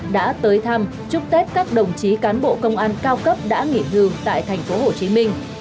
đã tới thăm chúc tết các đồng chí cán bộ công an cao cấp đã nghỉ hưu tại thành phố hồ chí minh